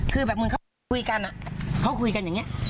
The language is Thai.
คือแบบเหมือนเขาคุยกันอะเขาคุยกันอย่างนี้